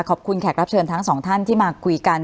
แขกรับเชิญทั้งสองท่านที่มาคุยกัน